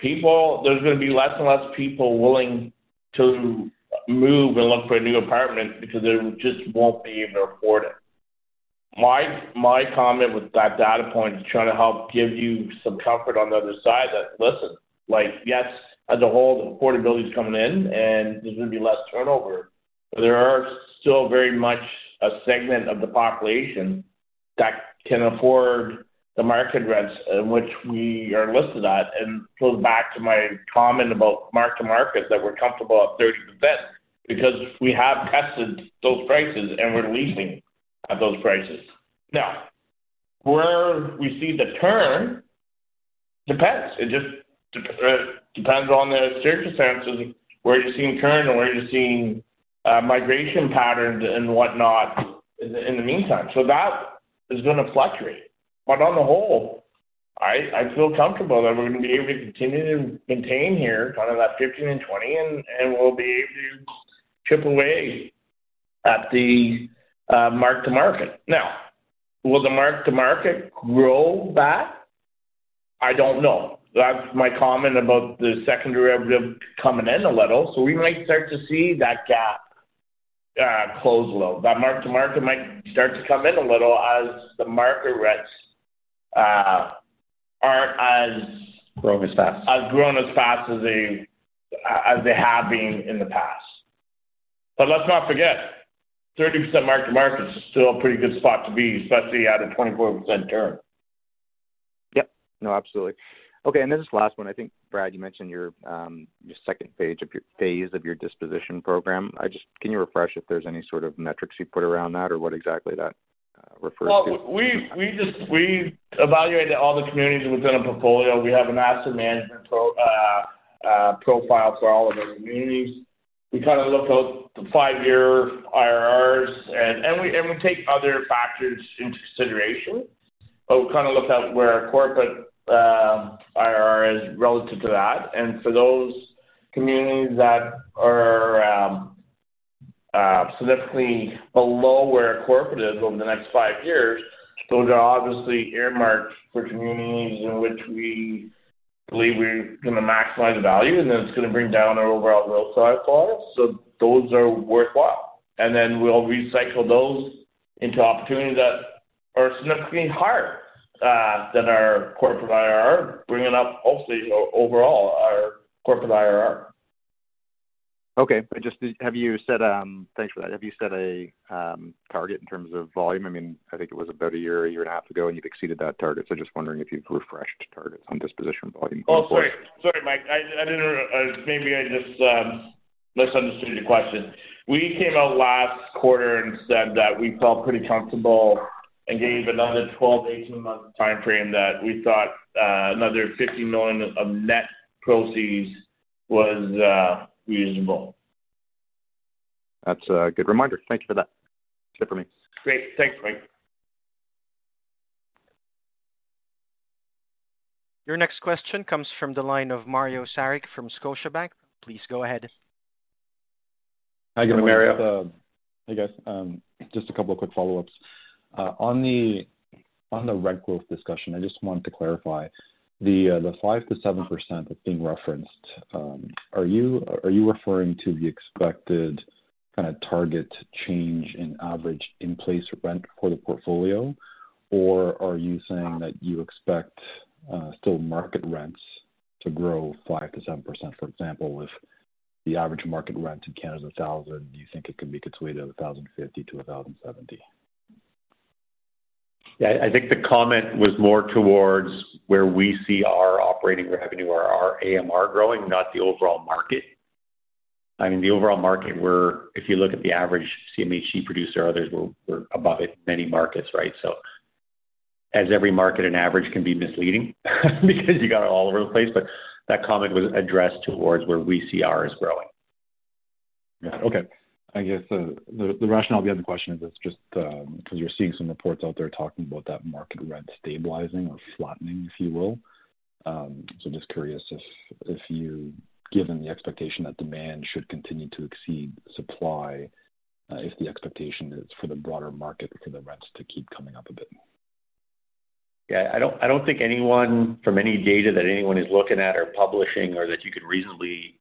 C: People. There's gonna be less and less people willing to move and look for a new apartment because they just won't be able to afford it. My comment with that data point is trying to help give you some comfort on the other side that, listen, like, yes, as a whole, the affordability is coming in and there's gonna be less turnover, but there are still very much a segment of the population that can afford the market rents at which we are listed at. And it goes back to my comment about mark-to-market, that we're comfortable at 30% because we have tested those prices and we're leasing at those prices. Now, where we see the turn? Depends. It just depends on the circumstances, where you're seeing turn and where you're seeing migration patterns and whatnot in the meantime. So that is gonna fluctuate, but on the whole, I, I feel comfortable that we're gonna be able to continue to maintain here kind of that 15 and 20, and we'll be able to chip away at the mark-to-market. Now, will the mark-to-market grow back? I don't know. That's my comment about the second derivative coming in a little. So we might start to see that gap close a little. That mark-to-market might start to come in a little as the market rents aren't as-
E: Growing as fast.
C: has grown as fast as they, as they have been in the past. But let's not forget, 30% mark-to-market is still a pretty good spot to be, especially at a 24% turn....
M: Yep. No, absolutely. Okay, and this is the last one. I think, Brad, you mentioned your, your second page of your phase of your disposition program. I just can you refresh if there's any sort of metrics you put around that, or what exactly that refers to?
C: Well, we just evaluated all the communities within a portfolio. We have an asset management profile for all of our communities. We kind of look at the five-year IRRs, and we take other factors into consideration. But we kind of look at where our corporate IRR is relative to that. And for those communities that are significantly below where our corporate is over the next five years, those are obviously earmarked for communities in which we believe we're going to maximize the value, and then it's going to bring down our overall risk side for us. So those are worthwhile. And then we'll recycle those into opportunities that are significantly higher than our corporate IRR, bringing up ultimately our overall corporate IRR.
M: Okay. I just have you set. Thanks for that. Have you set a target in terms of volume? I mean, I think it was about a year, a year and a half ago, and you've exceeded that target. So just wondering if you've refreshed targets on disposition volume going forward.
C: Oh, sorry. Sorry, Mike. I didn't, maybe I just misunderstood your question. We came out last quarter and said that we felt pretty comfortable and gave another 12- to 18-month timeframe that we thought another 50 million of net proceeds was reasonable.
M: That's a good reminder. Thank you for that. That's it for me.
C: Great. Thanks, Mike.
A: Your next question comes from the line of Mario Saric from Scotiabank. Please go ahead.
N: Hi, good morning-
C: Mario.
N: Hey, guys. Just a couple of quick follow-ups. On the rent growth discussion, I just wanted to clarify. The five to seven percent that's being referenced, are you referring to the expected kind of target change in average in-place rent for the portfolio? Or are you saying that you expect still market rents to grow 5%-7%? For example, if the average market rent in Canada is 1,000, do you think it can be between 1,050 to 1,070?
E: Yeah, I think the comment was more towards where we see our operating revenue or our AMR growing, not the overall market. I mean, the overall market where if you look at the average CMHC producer, others, we're above it, many markets, right? So as every market, an average can be misleading, because you got it all over the place. But that comment was addressed towards where we see ours growing.
N: Yeah. Okay. I guess, the rationale behind the question is it's just, because you're seeing some reports out there talking about that market rent stabilizing or flattening, if you will. So I'm just curious if, given the expectation that demand should continue to exceed supply, if the expectation is for the broader market for the rents to keep coming up a bit.
E: Yeah, I don't, I don't think anyone, from any data that anyone is looking at or publishing or that you could reasonably get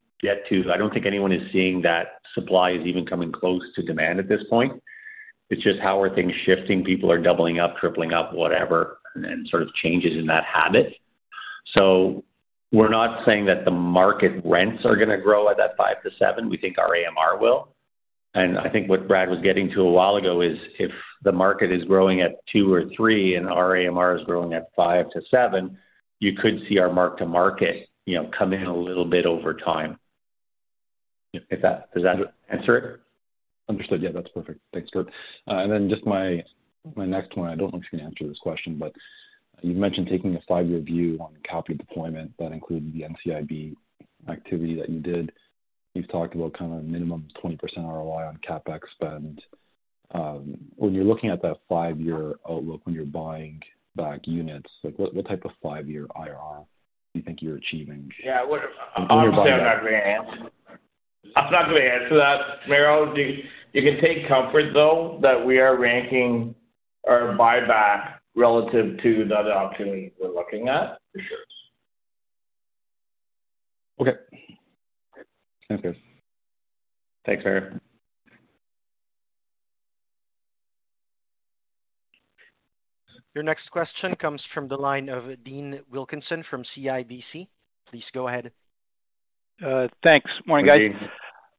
E: to, I don't think anyone is seeing that supply is even coming close to demand at this point. It's just how are things shifting. People are doubling up, tripling up, whatever, and then sort of changes in that habit. So we're not saying that the market rents are going to grow at that 5-7. We think our AMR will. And I think what Brad was getting to a while ago is, if the market is growing at 2 or 3 and our AMR is growing at 5-7, you could see our mark-to-market, you know, come in a little bit over time. If that does that answer it?
N: Understood. Yeah, that's perfect. Thanks, Curt. And then just my next one, I don't know if you can answer this question, but you mentioned taking a five-year view on capital deployment. That included the NCIB activity that you did. You've talked about kind of minimum 20% ROI on CapEx spend. When you're looking at that five-year outlook, when you're buying back units, like, what type of five-year IRR do you think you're achieving?
C: Yeah, I would-
N: On your buying-
C: I'm still not going to answer. I'm not going to answer that, Mario. You, you can take comfort, though, that we are ranking our buyback relative to the other opportunities we're looking at.
N: For sure. Okay. Okay.
E: Thanks, Mario.
A: Your next question comes from the line of Dean Wilkinson from CIBC. Please go ahead.
O: Thanks. Morning, guys.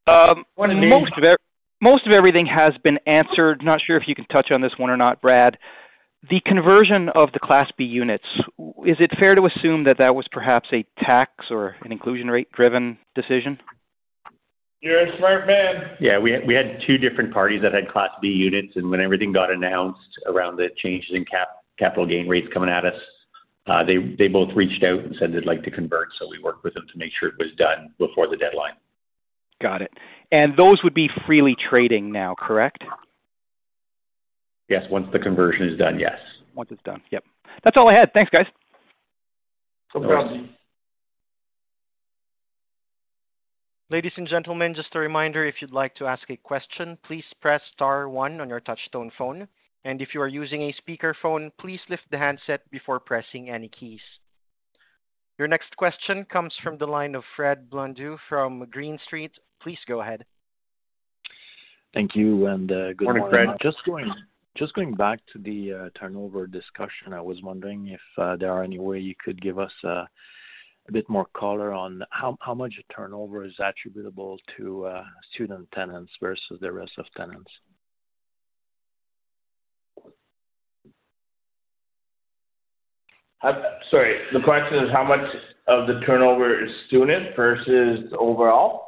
E: Hi, Dean.
O: Most of everything has been answered. Not sure if you can touch on this one or not, Brad. The conversion of the Class B Units, is it fair to assume that that was perhaps a tax or an inclusion rate-driven decision?
C: You're a smart man.
E: Yeah, we had, we had two different parties that had Class B Units, and when everything got announced around the changes in capital gain rates coming at us, they, they both reached out and said they'd like to convert, so we worked with them to make sure it was done before the deadline.
O: Got it. And those would be freely trading now, correct?
E: Yes. Once the conversion is done, yes.
O: Once it's done. Yep. That's all I had. Thanks, guys.
C: No problem.
A: Ladies and gentlemen, just a reminder, if you'd like to ask a question, please press star one on your touchtone phone. If you are using a speakerphone, please lift the handset before pressing any keys. Your next question comes from the line of Fred Blondeau from Green Street. Please go ahead.
P: Thank you, and good morning.
E: Morning, Fred.
P: Just going back to the turnover discussion, I was wondering if there are any way you could give us a bit more color on how much turnover is attributable to student tenants versus the rest of tenants?...
C: sorry, the question is, how much of the turnover is student versus overall?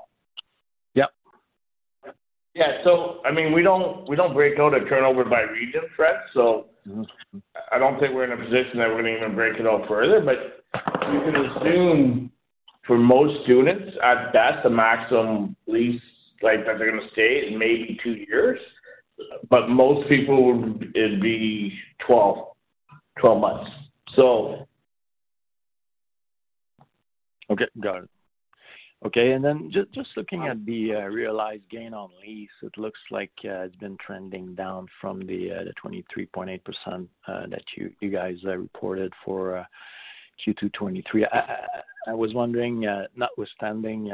P: Yep.
C: Yeah, so I mean, we don't, we don't break out a turnover by region, Fred, so I don't think we're in a position that we're gonna even break it out further. But you can assume for most students, at best, the maximum lease life that they're gonna stay is maybe two years, but most people would, it'd be 12, 12 months, so.
P: Okay, got it. Okay, and then just, just looking at the, realized gain on lease, it looks like, it's been trending down from the, the 23.8%, that you, you guys reported for Q2 2023. I was wondering, notwithstanding,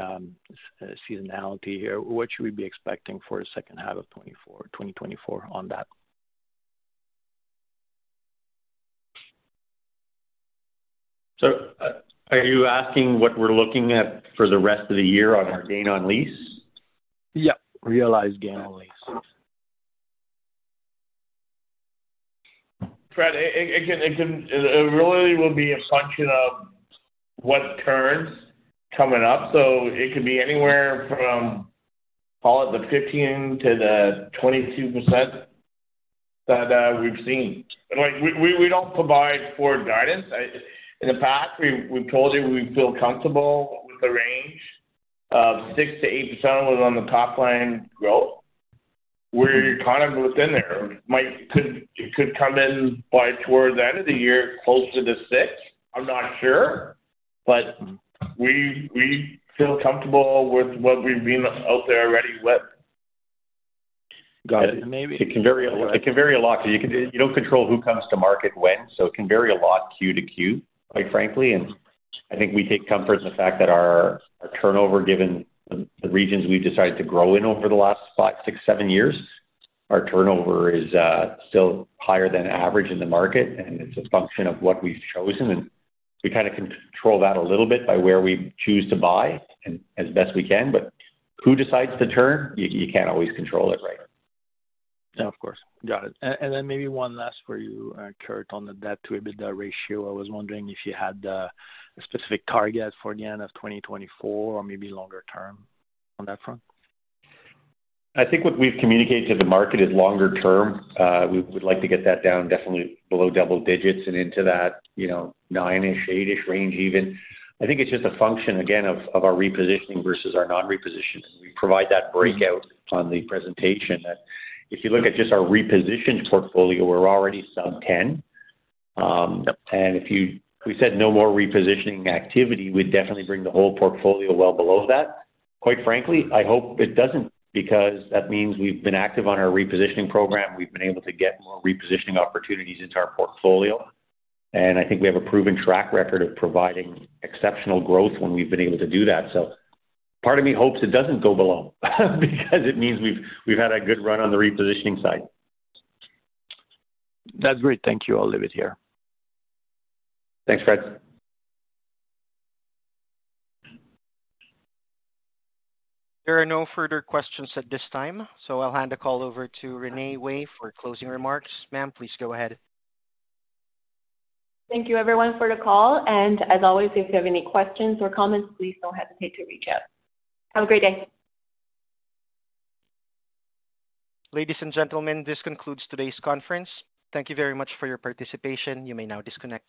P: seasonality here, what should we be expecting for the second half of 2024, 2024 on that?
C: Are you asking what we're looking at for the rest of the year on our gain on lease?
P: Yep, realized gain on lease.
C: Fred, it can – it really will be a function of what turns coming up. So it could be anywhere from, call it, 15%-22% that we've seen. And like, we don't provide for guidance. In the past, we've told you we feel comfortable with the range of 6%-8% was on the top line growth. We're kind of within there. Might – could, it could come in by towards the end of the year, closer to six. I'm not sure, but we feel comfortable with what we've been out there already with.
P: Got it. Maybe-
E: It can vary, it can vary a lot, because you can, you don't control who comes to market when, so it can vary a lot Q to Q, quite frankly. And I think we take comfort in the fact that our, our turnover, given the regions we've decided to grow in over the last five, six, seven years, our turnover is still higher than average in the market, and it's a function of what we've chosen, and we kind of control that a little bit by where we choose to buy and as best we can. But who decides to turn? You, you can't always control it, right.
P: Yeah, of course. Got it. And then maybe one last for you, Curt, on the debt-to-EBITDA ratio. I was wondering if you had a specific target for the end of 2024 or maybe longer term on that front.
E: I think what we've communicated to the market is longer term. We would like to get that down definitely below double digits and into that, you know, nine-ish, eight-ish range even. I think it's just a function, again, of our repositioning versus our non-repositioning. We provide that breakout on the presentation, that if you look at just our repositioned portfolio, we're already sub ten. And if we said no more repositioning activity, we'd definitely bring the whole portfolio well below that. Quite frankly, I hope it doesn't, because that means we've been active on our repositioning program. We've been able to get more repositioning opportunities into our portfolio, and I think we have a proven track record of providing exceptional growth when we've been able to do that. Part of me hopes it doesn't go below, because it means we've had a good run on the repositioning side.
P: That's great. Thank you. I'll leave it here.
E: Thanks, Fred.
A: There are no further questions at this time, so I'll hand the call over to Renee Wei for closing remarks. Ma'am, please go ahead.
B: Thank you everyone for the call, and as always, if you have any questions or comments, please don't hesitate to reach out. Have a great day.
A: Ladies and gentlemen, this concludes today's conference. Thank you very much for your participation. You may now disconnect.